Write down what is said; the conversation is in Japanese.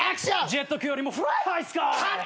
「ジェット機よりもフライハイスカイ！」